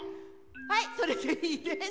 はいそれでいいです。